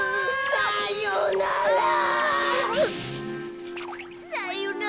さよなら。